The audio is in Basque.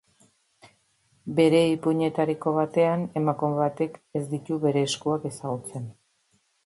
Bere ipuinetariko batean, emakume batek ez ditu bere eskuak ezagutzen.